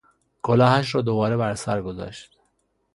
کلاهش را دوباره بر سر گذاشت.